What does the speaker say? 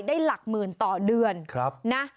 หลักหมื่นต่อเดือนนะ